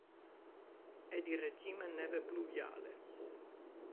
È di regime neve-pluviale.